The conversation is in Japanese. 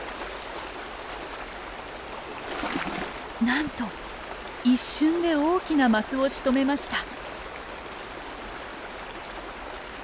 なんと一瞬で大きなマスをしとめました。